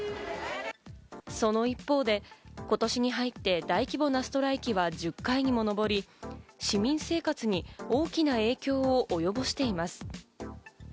その一方で、今年に入って大規模なストライキは１０回にものぼり、市民生活に大きな影響を及ぼしています。